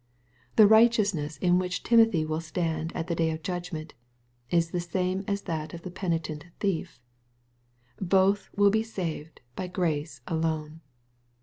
The right eousness in which Timothy will stand at the day of judg ment, is the same as that of the penitent thief Both will be saved by grace alone.